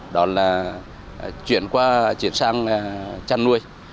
đó là chuyển sang chăn nuôi